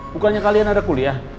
bukannya kalian ada kuliah